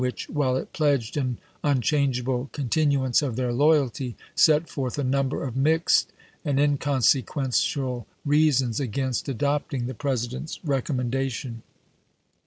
which, while it pledged an unchangeable continu ance of their loyalty, set forth a number of mixed and inconsequential reasons against adopting the President's recommendation.